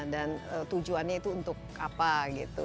dan tujuannya itu untuk apa gitu